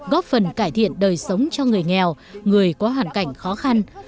góp phần cải thiện đời sống cho người nghèo người có hoàn cảnh khó khăn